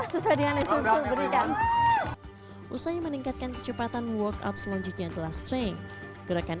sesuai dengan istrinya berikan usai meningkatkan kecepatan workout selanjutnya telah string gerakan